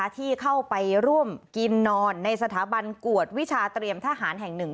ที่เข้าไปร่วมกินนอนในสถาบันกวดวิชาเตรียมทหารแห่งหนึ่ง